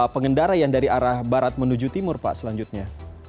pengendara yang dari arah barat menuju timur pak selanjutnya